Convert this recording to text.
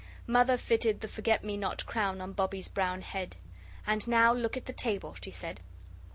Mother fitted the forget me not crown on Bobbie's brown head. "And now look at the table," she said.